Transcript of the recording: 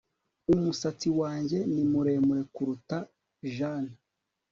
Umusatsi wanjye ni muremure kuruta Jane